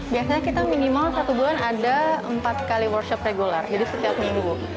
biasanya kita minimal satu bulan ada empat kali workshop regular jadi setiap minggu